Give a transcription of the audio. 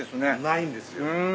ないんですよ。